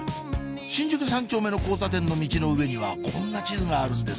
新宿三丁目の交差点のミチの上にはこんな地図があるんです